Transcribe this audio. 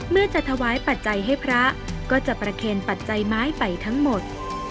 เมื่อจะถวายปัจจัยให้พระก็จะประเคนปัจจัยไม้ไปทั้งหมด